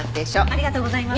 ありがとうございます。